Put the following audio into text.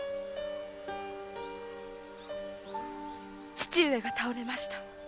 父上が倒れました。